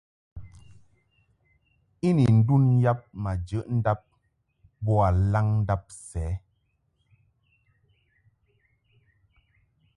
I ni ndun yab ma jəʼ ndab boa laŋndab sɛ.